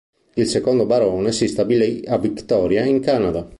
Il secondo barone si stabilì a Victoria in Canada.